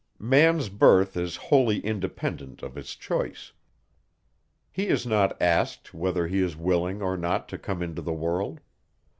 Man's birth is wholly independent of his choice. He is not asked whether he is willing, or not, to come into the world.